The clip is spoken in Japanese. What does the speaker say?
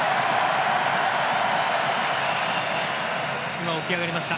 今、起き上がりました。